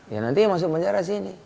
ya nanti masuk penjara sini